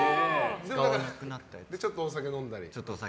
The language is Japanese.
で、ちょっとお酒飲んだり。